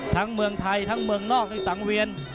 ทั้งเมืองไทยทั้งเมืองนอกในสังเวียน